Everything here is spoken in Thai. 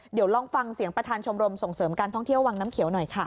เดี๋ยวลองฟังเสียงประธานชมรมส่งเสริมการท่องเที่ยววังน้ำเขียวหน่อยค่ะ